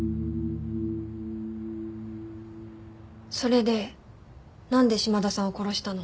それでなんで島田さんを殺したの？